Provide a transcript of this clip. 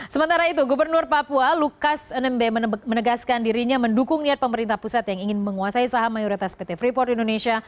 sementara itu gubernur papua lukas nmb menegaskan dirinya mendukung niat pemerintah pusat yang ingin menguasai saham mayoritas pt freeport indonesia